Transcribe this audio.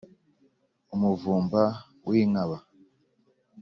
Umuvumba w’inkaba